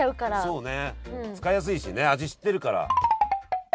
そうね使いやすいしね味知ってるから。